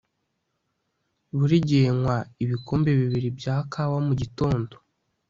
Buri gihe nywa ibikombe bibiri bya kawa mugitondo